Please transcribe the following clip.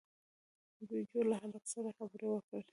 جُوجُو له هلک سره خبرې وکړې.